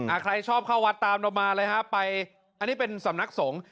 ใครชอบเข้าวัดตามเรามาเลยฮะไปอันนี้เป็นสำนักสงฆ์